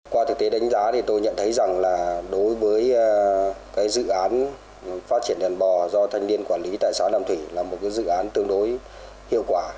qua thực tế đánh giá thì tôi nhận thấy rằng là đối với dự án phát triển đàn bò do thanh niên quản lý tại xã nam thủy là một dự án tương đối hiệu quả